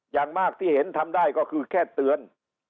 อย่างมากที่เห็นทำได้ก็คือแค่เตือน